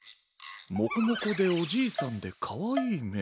モコモコでおじいさんでかわいいめ？